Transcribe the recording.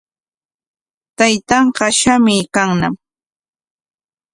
Taytanqa shamuykanñam.